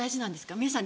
皆さん